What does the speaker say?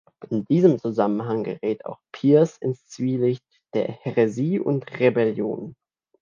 In diesem Zusammenhang gerät auch "Piers" ins Zwielicht der Häresie und Rebellion.